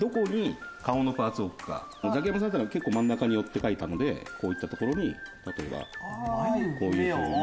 ザキヤマさんだったら結構真ん中に寄って描いたのでこういった所に例えばこういうふうに。